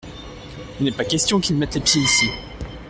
Il n’est pas question qu’il mette les pieds ici.